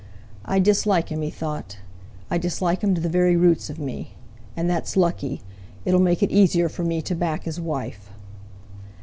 "I dislike him," he thought, "I dislike him to the very roots of me. And that's lucky; it'll make it easier for me to back his wife."